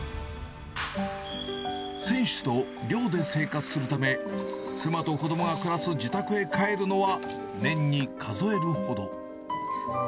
選手と寮で生活するため、妻と子どもが暮らす自宅へ帰るのは、年に数えるほど。